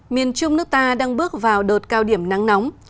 miền trung nước ta đang bước vào đợt cao điểm nắng nóng